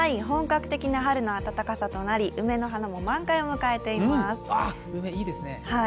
本格的な春の暖かさとなり梅の花も満開を迎えています。